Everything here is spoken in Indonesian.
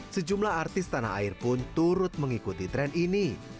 sejumlah artis tanah air pun turut mengikuti tren ini